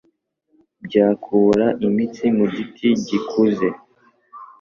Byakura imitsi mu giti gikuze